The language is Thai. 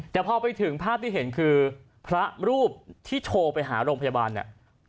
แต่พอไปถึงภาพที่เห็นคือพระรูปที่โทรไปหาโรงพยาบาลเนี่ย